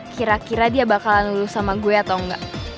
kira kira dia bakalan lulus sama gue atau enggak